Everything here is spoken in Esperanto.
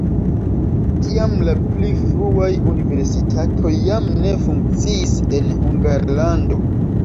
Tiam la pli fruaj universitatoj jam ne funkciis en Hungarlando.